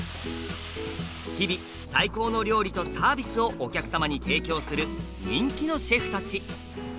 日々最高の料理とサービスをお客様に提供する人気のシェフたち。